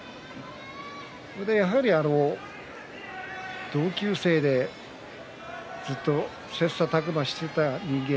やはり同級生でずっと切さたく磨していた人間